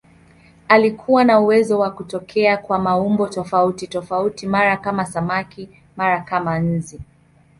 Alikuwa na uwezo wa kutokea kwa maumbo tofautitofauti, mara kama samaki, mara kama nzi.